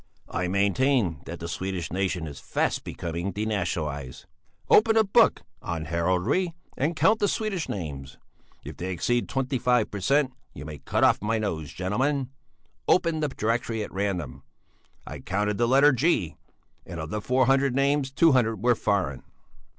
"I maintain that the Swedish nation is fast becoming denationalized. Open a book on heraldry and count the Swedish names! If they exceed 25 per cent. you may cut off my nose, gentlemen! Open the directory at random! I counted the letter G, and of four hundred names two hundred were foreign.